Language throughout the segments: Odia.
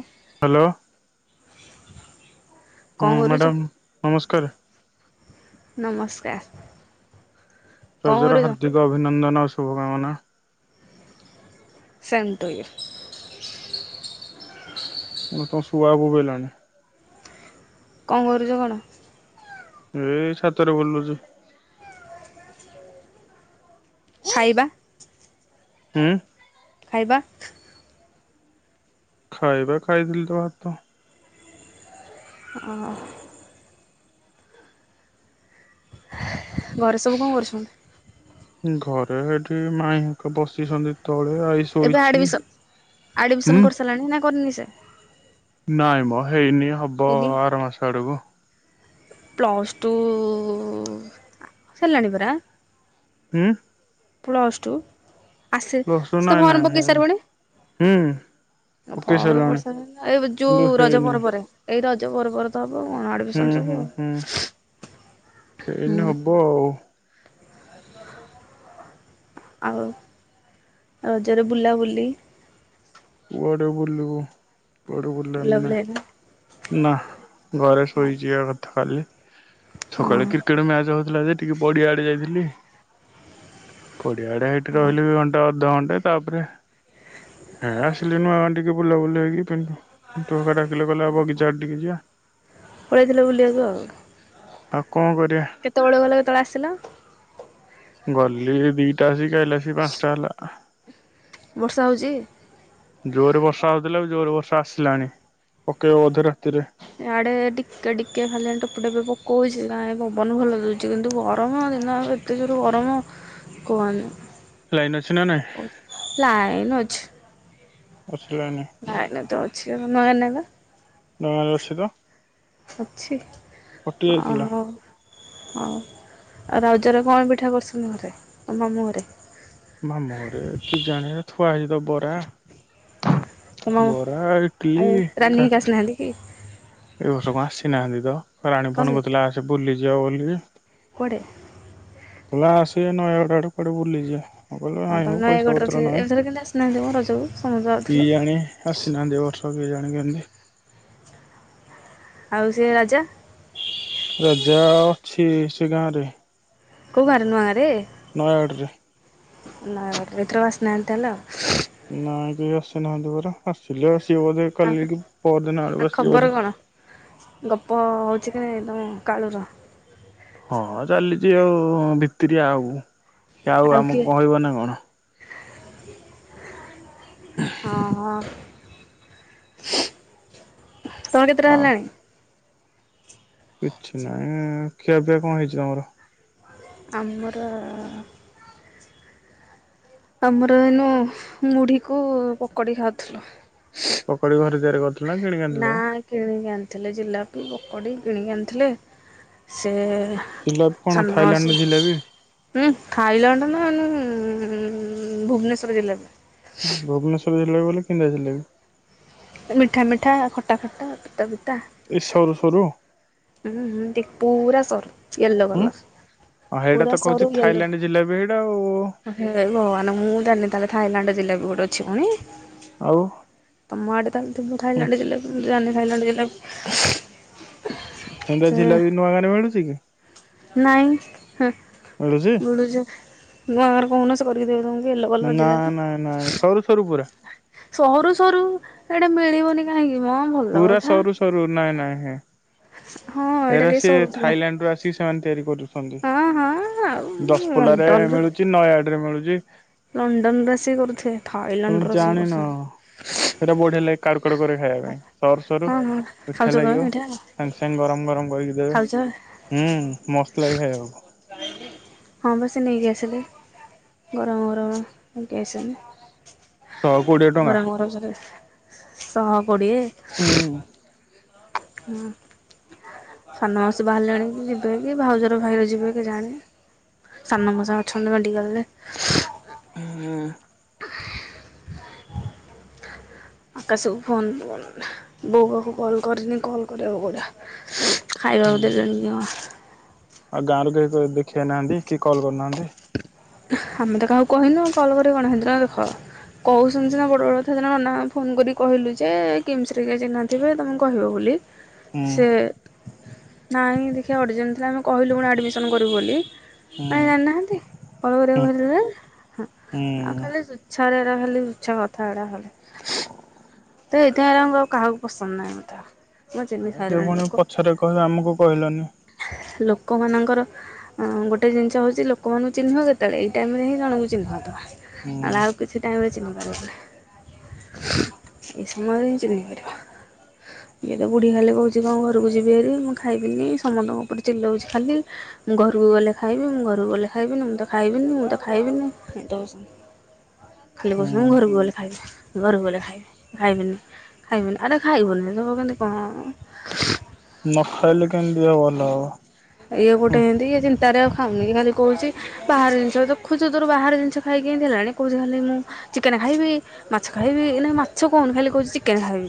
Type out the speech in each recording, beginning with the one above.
ହଁ। ହ୍ୟାଲୋ। ହଁ କଣ କରୁଛ? ମ୍ୟାଡ଼ାାମ ନମସ୍କାର। ନମସ୍କାର। କଣ ରଜର କରୁଛ? ହାର୍ଦ୍ଦିକ ଅଭିନନ୍ଦନ ଆଉ ଶୁଭକାମନା। ସାନ୍ତ ହେଇଯାଉଛି। ମୁଁକହିଲି ତମ ଶୁଆ ବୋବେଇଲାଣି। କଅଁ କରୁଚ କଣ? ଏଇ ଛାତରେ ବୁଲୁଛୁ। ଖାଇବା? ହୁଁ। ଖାଇବା? ଖାଇବା ଖାଇଥିଲି ତ ଭାତ। ହଁ ଅ ଘରେ ସବୁ କଅଁ କରୁଛନ୍ତି। ଘରେ ଏଠି ମାଇଁ ହେରିକା ବସିଛନ୍ତି ତଳେ ଆଇ ଏବେ ଶୋଇଛି ଆଡ଼ମିସନ୍ ହୁଁ। ଆଡ଼ମିସନ୍ କରିସାରିଲାଣି ନା କରିନି ସେ ନାଇଁ ମୋ ହେଇନି ହବ ଏଇଠି ଆର ମାସ ଆଡକୁ। ପ୍ଲସ୍ ଟୁ ହେଲାଣିବରା। ହୁଁ। ପ୍ଲସ ଟୁ ଆସେ ପ୍ଲସ ଟୁ ସେ ତ ନାଇଁ ନାଇଁ ଫର୍ମ ପକେଇ ହେଇନି। ସାରି ବଣି। ହୁଁ। ପକେଇ ଫର୍ମ ତ ସାରିଲାଣି ପଡ଼ି ସାଇଲାଗି ଏଇ କିନ୍ତୁ ଯୋଉ ରଜ ହେଇନି ପର୍ବରେ ଏଇ ରଜ ପର୍ବରେ ତ ହବ ଆଡ ହୁଁ ବିସନ ହୁଁ ସବୁ ହୁଁ। ଆଉ ହୁଁ। ଓ ହଉ। ଆଉ ଆଉ ରଜରେ ବୁଲାବୁଲି? କୁଆଡ଼େ ବୁଲିବୁ କୁଆଡ଼େ ବୁଲିବାର ବୁଲାବୁଲି ହେଲା ନାହିଁ। ନା ଘରେ ଶୋଇଯିବାକଥା ଖାଲି ହଁ ସକାଳେ କ୍ରିକେଟ ମ୍ୟାଚ ଥିଲା ଯେ ଟିକେ ପଡ଼ିଆଡ଼େ ଯାଇଥିଲି। ପଡ଼ିଆ ଆଡ଼େ ହେଟି ହଁ। ରହିଲି ବି ଘଣ୍ଟେ ଅଧି ଘଣ୍ଟେ ତାପରେ ହେଁ ଆସିଲି ନୁଆଁ ଟିକେ ବୁଲାବୁଲି ହେକିୁ ଫେଣି ଚୋକା ଡାକିଲେ କଇଲେ ଆ ବଗିା ଚାଆଡ଼େ ଟିକେ ଯିବା। ପଳାଇଥିଲେ ବୁଲିବାକୁ ଆଉ ଆଉ କଣ କରିବା? କେତେ ଗଲା କେତେ ବେଳେ ଆସିଲ? ଗଲି ଦିଟା ଆସିକି ଖାଇଲା ସେ ପାଞ୍ଚଟା ହେଲା ବର୍ଷା ହେଉଛି? ଜୋରେ ବର୍ଷା ହଉଥିଲା ଜୋରେ ବର୍ଷା ଆସିଲାଣି ପକେଇବ ବଧେ ରାତିରେ। ଆଡେ ଟିକେ ଟିକେ ଫାଲିଆ ଟୋପୁ ଟେପି ପକଉଛି ନା ପବନ ଭଲ ଦଉଛି କିନ୍ତୁ [unintelligible] ଲାଇନ୍ ଅଛି ନା ନାଇଁ? ଲାଇନ୍ ଅଛି। [unintelligible] ଲାଇନ୍ ତ ଅଛି ଗାଁରେ ଅଛି ତ? [unintelligible] ଅଛି କଟି ଆ ଯାଇଥିଲା ହ ହଉ ଆଉ ରଜ ରେ କଣ ପିଠା କରୁଛନ୍ତି ଘରେ, ମାମୁଁ ଘରେ? [unintelligible] ତମ ବରା ଇଟଲି ଆଉ ରାନୀ କା ହାରିକା ଆସିନାହାନ୍ତି କି? ଏ ବର୍ଷ କଣ ଆସିନାହାନ୍ତି ତ ରାଣୀ କଣ ଫୋନ୍ କରୁଥିଲା ଆସେ ବୁଲି ଯିବା ବୋଲି। ପରେ [unintelligible] ହଁ କହିଲ ହଁ ତମ ଆଣିବୁ ପଇସା ନୟାଗଡ଼ରେ ପତ୍ର ଥିବେ ନାହିଁ। ଏଥର କେମିତି ଆସିନାହାନ୍ତି ମ ରଜକୁ ସମସ୍ତେ କି ଯାଉଥିଲେ। ଜାଣି। ଆସିନାହାନ୍ତି ଏ ବର୍ଷ କେଜାଣି କେମିତି। ଆଉ ସେ ରାଜା ରାଜା ଅଛି ସେ ଗାଁ ରେ। ନୟାଗଡ଼ରେ। [unintelligible] ନାଇଁ କେ ଆସିନାହାନ୍ତି ପରା ଆସିଲେ ଆସିବ ବୋଧେ ଆଉ କାଲିି କି ପହର ଦିନ ଆଉ ବେଳକୁ ଆସିବ ଖବର ବଧେ। କଣ? ଗପ ହଉଛି କି ନାଇଁ ତମ କାଳୁର? ହଁ ଚାଲିଛି ଆଉ ଭିତିରିଆ ଆଉ ସେ ଆଉ ଆମକୁ କହିବ ନା କଣ। ଓହୋ। ତମର କେତେଟା ଆଉ ହେଲାଣି? କିଛି ନହିଁ ଖିଆପିଆ କଣ ହେଇଛି ତମର? ଆମର ଆମର ଏନୁ ମୁଢିକୁ ପକୋଡି ଖାଉଥିଲୁ। ପକଡ଼ି ଘରେ ତିଆରି କରୁ ନା କିଣିକି ଆଣିଥିଲେ ଜିଲାପି ପକୋଡି କିଣିକି ଆଣିଥିଲେ। ସେ ଜିଲାପି କଣ ଥାଇଲାଣ୍ଡ [unintelligible] ଜିଲାପି? ହୁଁ ଥାଇଲାଣ୍ଡ ନା ଭୁବନେଶ୍ଵର ଜିଲା ଭୁବନେଶ୍ୱର ଜିଲାପି ବୋଲି କେମିତିଆ ଜିଲାପି? ମିଠା ମିଠା, ଖଟା ଖଟା, ପିତା ପିତା। ଏଇ ସରୁ ସରୁ ହୁଁ ହୁଁ, ଟି ପୁରା ସର୍ ହୁଁ ହେଇଟା ତ କହୁଛି ଥାଇଲାଣ୍ଡ ଯିଲାବି ସେଇଟା ଆଉ। ହେଇ ଭଗବାନ ମୁଁ ଜାଣିନି ତାହେଲେ ଥାଇଲାଣ୍ଡ ଯିଲାବି ଗୋଟେ ଅଛି ଫୁଣି। ଆଉ। ତମେ ଆଡ଼େ ତାହେଲେ ଥିବ ଥାଇଲଲାଣ୍ଡ ଜିଲାପି। ମୁଁ ତ ଜାଣିନି ଥାଇଲଲାଣ୍ଡ ଜିଲାପି। ହେନ୍ତା ସେ ଝିଲାବି ନୂଆ ଗାରେ ମିଳୁଚି କି? ନାଇଁ ହୁଁ। [unintelligible] କହୁନ ସେ କରିକି ଦେବେ ତମକୁ ୟେଲୋ କଲର ଜିଲାପି। ନାଁ ସରୁ ସରୁ ପୁରା। ସରୁ ସରୁ ହେଇଠେ ମିଳିବନି କାହିଁକି ମ ଭଲ ପୁରା କଥା। ସରୁ ସରୁ ନାଇଁ ନାଇଁଁ। ହଁ ଏଇଟା ଏରା ଟିକେ ସିଏ ସରୁଥିଲା ଥାଇଲାଣ୍ଡ ରୁ ଆସିକି ସେମାନେ ତିଆରି କରୁଛନ୍ତି। ହଁ ହଁ ଆଉ ଦଶପଲ୍ଲା ରେ ଲଣ୍ଡନରୁ ମିଳୁଛି ନୟାଗଡ ରେ ମିଳୁଛି। ଲଣ୍ଡନରୁ ଆସିକି କରୁଥିବେ। ତମେ ଥାଇଲାଣ୍ଡରୁ ଆସିକି ଜାଣିନ? କରୁଛନ୍ତି। ସେଇଟା ବଢିଆ ଲାଗେ କାଡୁ କାଡୁ କରିକି ଖାଇବା ପାଇଁ ସରୁ ସରୁ ହଁ ହଁ ଖାଉଛ ମିଠା ତମେ ଲାଗିବ। ଏଇଟା ସାଙ୍ଗେ ସାଙ୍ଗେ ଗରମ ଗରମ କରିକି ଦେବେ। ଖାଉଛ? ହୁଁ, ମସ୍ତ ଲାଗେ ଖାଇବାକୁ। ହଁ ବା ସିଏ ନେଇକି ଆସିଲେ। ଗରମ ଗରମ ନେଇକି ଆସିଛନ୍ତି। ଶହ କୋଡିଏ। ଗରମ ଗରମ ଜଲିପି। ଶହ କୋଡ଼ିଏ। ହୁଁ। ହୁଁ। ସାନ ମାଉସୀ ବାହାରିଲେଣି ଯିବେ କି? ଭାଉଜର ଭାଇର ଯିବେ କେଜାଣି? ସାନ ମଉସା ଅଛନ୍ତି ମେଡିିକାଲରେ। ହୁଁ। ଆକାଶକୁ ଫୋନ କରିନି, ବୋଉ ପାଖକୁ କଲ୍ କରିନି କଲ୍ କରିବାକୁ ପଡ଼ିବ। ଖାଇବାକୁ ହୁଁ ଦେଲେନି ଜମା। ଆଉ ଗାଁରୁ କେହି ତତେ ଦେଖି ଆଇନାହାନ୍ତି? କି କଲ୍ କରିନାହାନ୍ତି? ଆମେ ତ କାହାକୁ କହିନୁ ଆଉ କଲ୍ କରିବେ କଣ? ଦେଖ। କହୁଛନ୍ତି ସିନା ବଡ଼ ବଡ଼ କଥା ସିନା ନନା ଫୋନ୍ କରିକି କହିଲୁ ଯେ କିମସ୍ ରେ କିଏ ଚିହ୍ନା ଥିବେ ତମେ କହିବ ବୋଲି। ହୁଁ ସେ ନାହିଁ ଦେଖିବା ଅର୍ଜେଣ୍ଟ ଥିଲା ଆମେ କହିଲୁ ପୁଣି ଆଡ଼ମିସନ୍ କରିବୁ ବୋଲି। ହୁଁ। ନାଇଁ ଜାଣିନାହାନ୍ତି। ହୁଁ ହୁଁ [inaudible] ସେଥିପାଇଁ କାହାକୁ ପସନ୍ଦ ନାହିଁ ମତେ। ଆଉ ସିଏ ପୁଣି ପଛରେ କହିବେ ଆମକୁ କହିଲନି। ଲୋକମାନଙ୍କର। ଗୋଟେ ଜିନିଷ ହଉଛି ଲୋକମାନଙ୍କୁ ଚିହ୍ନିବ କେତେବେଳେ ଏଇ ଟାଇମ ରେ ହିଁ ଜଣଙ୍କୁ ଚିହ୍ନିବ ତମେ। ହୁଁ। ନହେଲେ ଆଉ କିଛି ଟାଇମରେ ଚିହ୍ନି ପାରିବନି। ଏଇ ସମୟରେ ହିଁ ଚିହ୍ନି ପାରିବ। ଇଏ ତ ବୁଢୀ ଖାଲି କହୁଛି କଣ ଘରକୁ ଯିବିହାରି ମୁଁ ଖାଇବିନି। ସମସ୍ତଙ୍କ ଉପରେ ଚିଲଉଛି ଖାଲି। ମୁଁ ଘରକୁ ଗଲେ ଖାଇବି, ମୁଁ ଘରକୁ ଗଲେ ଖାଇବିନି, ମୁଁ ତ ଖାଇବିନି ମୁଁ ତ ଖାଇବିନି। [unintelligible] ଖାଲି କହୁଛନ୍ତି ମୁଁ ଘରକୁ ଗଲେ ଖାଇବି, ଘରକୁ ଗଲେ ଖାଇବି। ଖାଇବିନି, ଖାଇବିନି। ଆରେ ଖାଇବନି ହବ କେମିତି କଣ? ନ ଖାଇଲେ କେମିତି ଦିହ ଭଲ ହବ। ଇଏ ଗୋଟେ ହୁଁ ଏମିତି ଇଏ ଚିନ୍ତା ରେ ଆଉ ଖାଉନି ଖାଲି କହୁଛି ବାହାର ଜିନିଷ ଦେଖୁଛତ। ବାହାର ଜିନଷ ଖାଇକି କେମିତି ହେଲାଣି କହୁଛି ଖାଲି ମୁଁ ଚିକେନ୍ ଖାଇବି, ମାଛ ଖାଇବି, ଏଇନା ମାଛ କହୁନି ଖାଲି କହୁଛି ଚିକେନ୍ ଖାଇବି।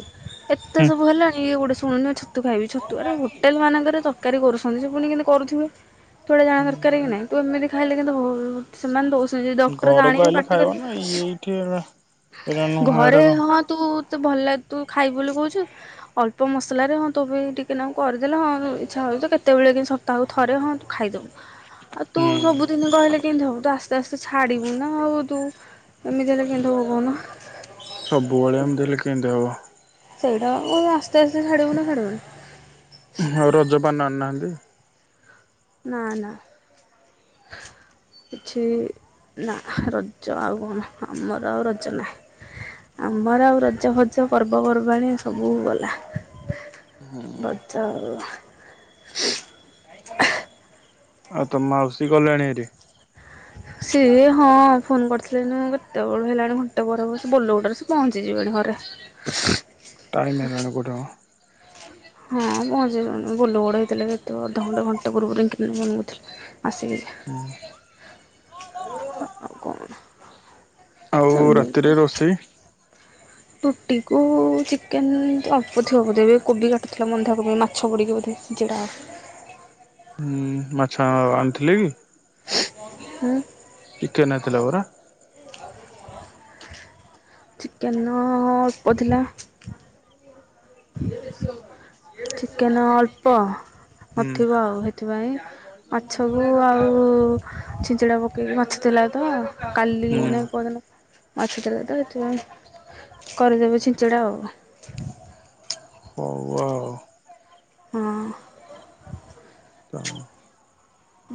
ଏତେ ହୁଁ। ସବୁ ହେଲାଣି ଇଏ ଗୋଟେ ଶୁଣୁନି ଛତୁ ଖାଇବି ଛତୁ ଆରେ ହୋଟେଲ ମାନଙ୍କରେ ତରକାରୀ କରୁଛନ୍ତି ଯୋଉ ପୁଣି କେମିତି କରୁଥିବେ ତୁ ଏଇଟା ଜାଣିବା ଦରକାର କି ହୁଁ ନାହିଁ। ତୁ ଏମିତି ଖାଇଲେ କେମିତି ହବ? ସେମାନେ ଦଉଛନ୍ତି ଡକ୍ଟର ଘରକୁ ଜାଣିବେ ଆଇଲେ ପାଟି ଖାଇବ କରିବେ ନା ଇଏ ଏଇଠି ଏରା ନୁହଁ ଏରା ଘରେ କଣ ହଁ। ତୁ ତ ଭଲ ଲାଗେ ତୁ ଖାଇବୁ ବୋଲି କହୁଛୁ। ଅଳ୍ପ ମସଲାରେ ହଁ ତୋ ପାଇଁ ଟିକେ ନାକୁ କରିଦେଲେ ହଁ ଇଚ୍ଛା ହଉଛି କେତେବେଳେ କି ସପ୍ତାହକୁ ଥରେ ହଁ ତୁ ଖାଇଦବୁ। ଆଉ ତୁ ହୁଁ। ସବୁଦିନ କହିଲେ କେମତି ହବ ତୁ ଆସ୍ତେ ଆସ୍ତେ ଛାଡିବୁ ନା ଆଉ ତୁ। ଏମିତି ହେଲେ କେମିତି ହବ କହୁନ। ସବୁବେଳେ ଏମିତି ହେଲେ କେମିତି ହବ। ସେଇଟା ବା ପୁଣି ଆସ୍ତେ ଆସ୍ତେ ଛାଡ଼ିବୁନା ଛାଡ଼ିବୁନି। ଆଉ ରଜପାନ ଆଣିନାହାନ୍ତି। ନା ନା। [unintelligible] କିଛି ନା ରଜ ଆଉ କଣ ଆମର ଆଉ ରଜ ନାହିଁ। ଆମର ଆଉ ରଜ ଫଜ ପର୍ବପର୍ବାଣୀ ସବୁ ଗଲା। ରଜ [inaudible] [unintelligible] ଆଉ ତମ ମାଉସୀ ଗଲେଣି ହେରି। ସିଏ ହଁ ଫୋନ କରିଥିଲେ କେତେବେଳୁ ହେଲାଣି ଘଣ୍ଟେ ପରେ ବୋଲ ଗୋଡରେ ପହଞ୍ଚିଯିବେଣି ଘରେ। ଟାଇମ୍ ହେଲାଣି କୋଉଠି ମ। ହଁ ପହଞ୍ଚି ଯିବେନି ବୋଲ ଗୋଡ ହେଇଥିଲେ ସେତିକି ଅଧଘଣ୍ଟେ ଘଣ୍ଟେ ପୂର୍ବରୁ। ମନ ନଥିଲା ଆସିକି ଯା ହୁଁ। ଆଉ କଣ ଆଉ ରାତିରେ ରୋଷେଇ। ରୁଟି କୁ ଚିକେନ ଅଳ୍ପ ଥିବ ବୋଧେ ଏବେ କୋବି କାଟୁଥିଲା ବନ୍ଧାକୋବି ମାଛ ପଡିକି ବୋଧେ। ଯେଟା ହୁଁ ମାଛ ଆଣିଥିଲେ କି? ହୁଁ। ଚିକେନ ଆଇଥିଲା ପରା। ଚିକେନ ଅଳ୍ପ ଥିଲା। ଚିକେନ ଅଳ୍ପ ହୁଁ ନଥିବ ଆଉ ହେ ଥିପାଇଁ ମାଛକୁ ଆଉ ଛିଞ୍ଚିଡ଼ା ପକେଇକି ମାଛ ଥିଲା ତ କଲି ହୁଁ ନା ପଦିନ ଅଛିତ ଏଥିପାଇଁ କରିଦେବେ ଛିଞ୍ଚିଡ଼ା ଆଉ। ହଉ ଆଉ। ହଁ। [inaudible]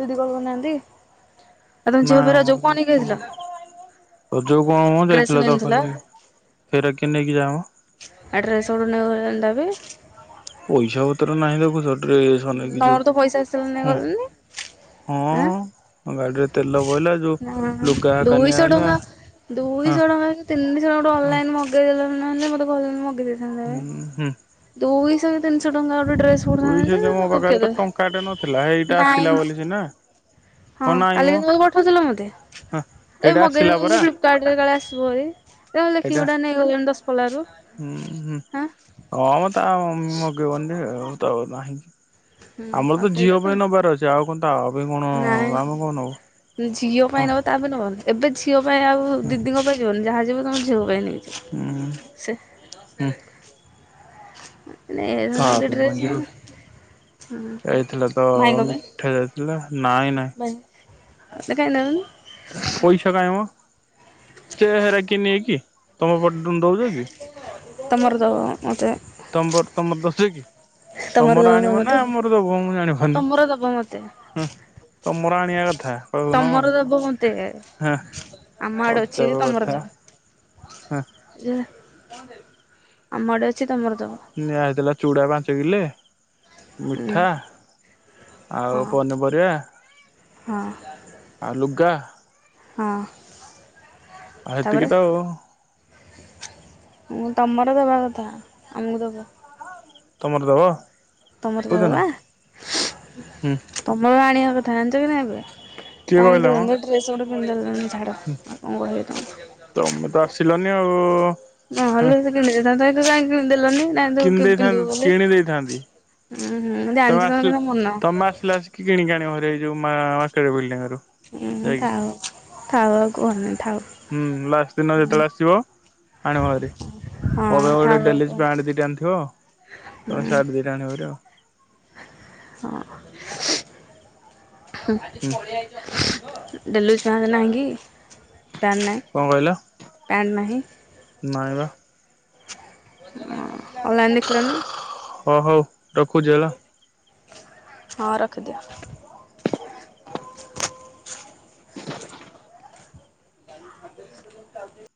ଦିଦି କଣ କହୁନାହାନ୍ତି। ନାଇ ମ। ଯାଇଥିଲ ତ ଯୋଉ କଣ ହ ଡ୍ରେସ୍ ଯାଇଥିଲା ତ ନେଇନଥିଲ ଖାଲି ହେରାକି ନେଇକି ଯାଏମ। ଆଉ ଡ୍ରେସ [unintelligible] ପଇସା ପତ୍ର ନାହିଁ ଦେଖୁଛ ଆଉ ଡ୍ରେସ ନେଇକି ତମର ତ ପଇସା ଆସିଲାନି ଯିବ ହଁ। ଗଲନି ଆଁ ହଁ ଗାଡିରେ ତେଲ ପଇଲା ଯୋଉ ନା ଲୁଗା କାଲି ଦୁଇଶହ ଆଣିଲା। ଟଙ୍କା ଦୁଇଶହ ଟଙ୍କା କି ତିନିଶହ ଟଙ୍କ ଗୋଟେ ହଁ ଅନଲାଇନ ମଗେଇଦେଲନି ନହେଲେ ମତେ କହିଲି ମଗେଇଦେଇଥାନ୍ତି। ହୁଁ- ହୁଁ। ଦୁଇଶହେ କି ତିନିଶହ ଟଙ୍କା ଗୋଟେ ଡ୍ରେସ କୋଉଠି ଦୁଇଶହ ଅନତେ। ଯେ ମୋ ପାଖରେ ତ ଟଙ୍କାଟେ ନଥିଲା ହେଇଟା ଆସିଲା ନାଇଁ ବୋଲି ସିନା। ହଁ ନାଇଁ ମ କାଲି କିନ୍ତୁ ବୋଉ ପଠଉଥିଲ ମତେ ହଁ ଏଇ ସେଇଟା ଆସିଲା ମଗେଇଦେଲୁ ପରା ଲି ଫ୍ଲିପ କାଟରେ କାଳେ ଆସିବ ଭାରି ନହେଲେ ଦେଖିକି ସେଇଟା ଗୋଟେ ଆ ନେଇଗଲଣି ଦଶପଲା ରୁ ହୁଁ ହୁଁ ହାଁ। ହଁ ମ ତା ମ ମଗେଇବନି ଯେ ତ ନାହିଁକି। ହୁଁ ଆମର ଆଉ ତ ସେଇଟା ଝିଅ ପାଇଁ ନବାର ଅଛି ଆଉ କଣ ତା ପାଇଁ କଣ ଆମେ ନାଇଁ କଣ ନବୁ। ଝିଅ ପାଇଁ ହଁ ନବ ତା ପେଇଁ ନବନି ଏବେ ଝିଅ ପାଇଁ ଆଉ ହୁଁ ଦିଦିଙ୍କ ପାଇଁ ଯିବନି ଯାହା ଯିବ ତମ ଝିଅ ପାଇଁ ନେବି। ଉଁ ହୁଁ। ହୁଁ ସେରେ ହୁଁ। ତା ପାଇଁ କଣ ହଁ ଯିବକି ଏଇଥିଲା ତ ମି ଉଠା ଯାଇଥିଲା ନାଇଁ ନାଇଁ। ବାଇ ଅ ମତେ କାଇଁ ନଉନୁ। ପଇସା କାଇଁମ ଯେ ହେରା କିଏ ନେଏକି ତମ ପଟେ ଦେଉଚ କି? ତମର ଦବ ମତେ। ତମ ବଟ୍ ତମର ଦଶେ କି? ତମର ଦବ ଆଣିବ ନା ମୋତେ ଆମର ଦବୁ ମୁଁ ଜଣିିପାରୁନୁ ତମର ଦବ ମୋତେ ହୁଁ। ତମର ଆଣିବା କଥା କହୁନୁ ଆଉ ତମର ଦବ ମୋତେ ହେଁ। ଆମ ଆଡ଼େ ଅଛି ଅଜବ କଥା ହେଁ। ଯାହା ଆମଆଡ଼େ ଅଛି ତମର ଦବ। ନିଆ ହେଇଥିଲା ଚୁଡ଼ା ପାଞ୍ଚ କିଲେ ହୁଁ ମିଠା ଆଉ ହଁ ପନିପରିବା। ହଁ। ଆଉ ଲୁଗା। ହଁ। ଆ ତାପରେ ହେତିକି ତ ଆଉ। ମୁଁ ତମର ଦବା କଥା ଆମୁକୁ ଦବ। ତମର ଦବ? ତମର ଦବ କୋଉଦିନ ବା ହୁଁ ତମର ଆଣିବା କଥା ଜାଣିଚ କି ନାଇଁ ଏବେ? କିଏ ତ ଆଣିଦେଲନି ତ ଡ୍ରେସ ଗୋଟେ ପିନ୍ଧିଦେଲନି ଛାଡ଼। ହୁଁ ଆଉ କଣ କହିବି ତମକୁ ତମେ ତ ଆସିଲନି ଆଉ ଉ ଉ ଉ। ନହେଲେ ଯଦି କିଣିଦେଇଥାନ୍ତ ଏଇଟି କାଇଁ କିଣି ଦେଲନି ନାଇଁ ତୁ କିଣି ପି ଦେଇଥାନ୍ତି ପିନ୍ଧିବୁ ବୋଲି। କିଣି ଦେଇଥାନ୍ତି ଉଁ ହଁ ମୁଁ ଜାଣିଚି ତମର କେତେ ମନ। ମୁଁ ଆସିଲା ବସିକ କି କିଣି କି ଆଣିବ ଭାରି ଏଇ ଯୋଉ ମା ମାର୍କେଟ ବିଲଡିଂ ରୁ। ଉଁ ଉଁ ଯାଇକି ଥାଉ ଥାଉ ଆଉ କୁହନି ଥାଉ। ହୁଁ ଲାଷ୍ଟ ଦିନ ଯେତବଳେ ଆସିବ ଆଣିବ ଭାରି। ମୋ ହଁ ପାଇଁ ଗୋଟେ ଥାଉ ଆଉ ଡେଲି ୟୁଜ କୁହନି। ପ୍ୟାଣ୍ଟ ଦିଟା ଆଣିଥିବ। ହୁଁ। ମ ସାର୍ଟ ଦିଟା ଆଣିବ ଭାରି ଆଉ। ହଁ [unintelligible] ହୁଁ ଡ଼େଲିୟୁଜ ପ୍ୟାଣ୍ଟ ନାହିଁକି? ପ୍ୟାଣ୍ଟ ନାହିଁ କଣ କହିଲ ପ୍ୟାଣ୍ଟ ନାହିଁ? ନାଇଁ ବା ଅଁ ଅନଲାଇନ୍ ଦେଖିଲନି। ହଁ ହଉ ରଖୁଚି ହେଲା? ହଁ ରଖି ଦିଅ। [inaudible]